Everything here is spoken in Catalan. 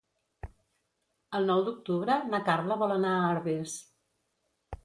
El nou d'octubre na Carla vol anar a Herbers.